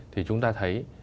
thì chúng ta thấy